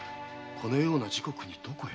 このような時刻にどこへ？